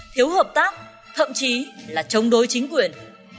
thiếu hợp tác thậm chí là chống đối chính quyền